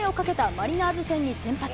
マリナーズ戦に先発。